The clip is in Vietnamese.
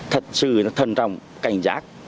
thật sự thân trọng cảnh giác